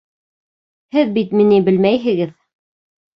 Һеҙ бит мине белмәйһегеҙ.